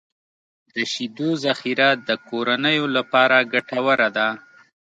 د شیدو ذخیره د کورنیو لپاره ګټوره ده.